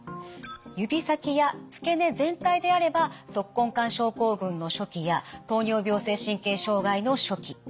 指先や付け根全体であれば足根管症候群の初期や糖尿病性神経障害の初期。